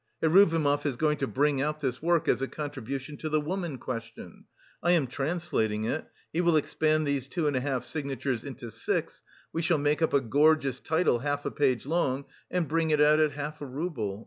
Heruvimov is going to bring out this work as a contribution to the woman question; I am translating it; he will expand these two and a half signatures into six, we shall make up a gorgeous title half a page long and bring it out at half a rouble.